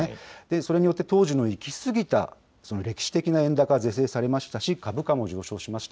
それによって、当時の行き過ぎた歴史的な円高、是正されましたし、株価も上昇しました。